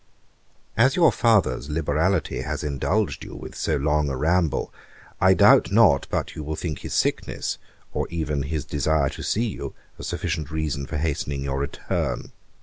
'As your father's liberality has indulged you with so long a ramble, I doubt not but you will think his sickness, or even his desire to see you, a sufficient reason for hastening your return.